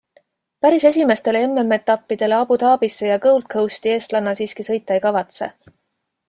Päris esimestele MM-etappidele Abu Dhabisse ja Gold Coasti eestlanna siiski sõita ei kavatse.